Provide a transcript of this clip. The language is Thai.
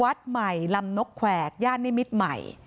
วัดใหม่รัมนกแขวดญ่านนิมิตมัย